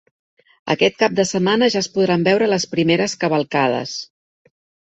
Aquest cap de setmana ja es podran veure les primeres cavalcades.